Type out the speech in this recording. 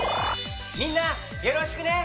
みんなよろしくね！